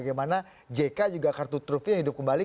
jadi saya rasa ini bagaimana jk juga kartu trufi yang hidup kembali